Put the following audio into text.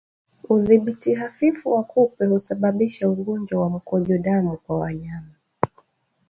Udhibiti hafifu wa kupe husababisha ugonjwa wa mkojo damu kwa wanyama